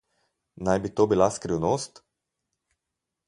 Naj bi to bila skrivnost?